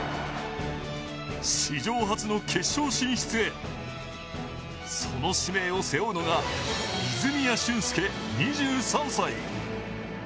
史上初の決勝進出へ、その使命を背負うのが泉谷駿介２３歳。